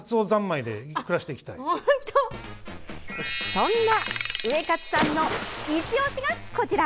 そんなウエカツさんのいち押しが、こちら。